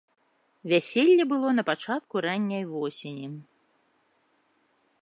Вяселле было на пачатку ранняй восені.